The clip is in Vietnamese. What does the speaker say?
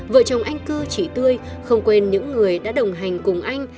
vợ chồng anh cư chị tươi không quên những người đã đồng hành cùng anh